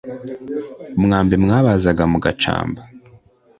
umwambi mwabanzaga mu gacamba,